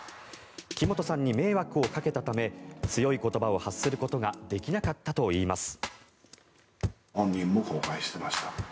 木本さんに迷惑をかけたため強い言葉を発することができなかったといいます。